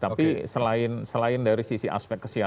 tapi selain dari sisi aspek kesehatan